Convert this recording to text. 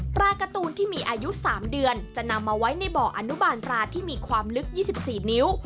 ปลาการ์ตูนที่มีอายุ๓เดือนจะนำมาไว้ในบ่ออนุบาลราที่มีความลึก๒๔นิ้ว